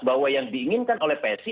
bahwa yang diinginkan oleh psi